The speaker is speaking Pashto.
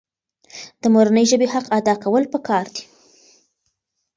د مورنۍ ژبې حق ادا کول پکار دي.